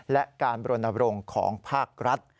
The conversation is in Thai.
และการบรณรงค์ของภาครัฐ